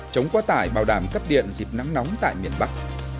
chống quá tải bảo đảm cấp điện dịp nắng nóng tại miền bắc